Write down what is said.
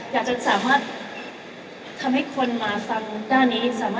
อยากจะสามารถทำให้คนมาฟังด้านนี้สามารถ